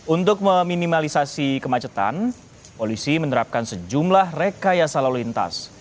untuk meminimalisasi kemacetan polisi menerapkan sejumlah rekayasa lalu lintas